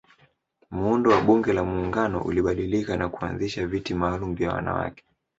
Muundo wa bunge la muungano ulibadilika na kuanzisha viti malumu vya wanawake